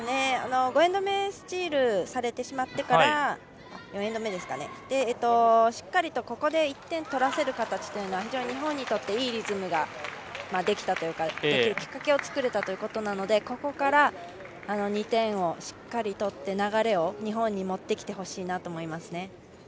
４エンド目スチールされてしまってからしっかりここで１点取らせる形というのは非常に日本にとっていいリズムができるきっかけを作れたということなのでここから２点をしっかり取って流れを日本に持ってきてほしいと思います。